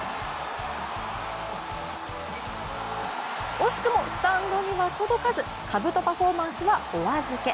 惜しくもスタンドには届かずかぶとパフォーマンスはお預け。